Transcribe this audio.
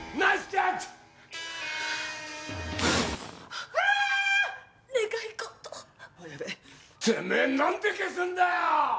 てめぇ何で消すんだよ！